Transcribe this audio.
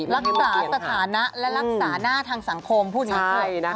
รักษาสถานะและรักษาหน้าทางสังคมพูดอย่างนี้ค่ะ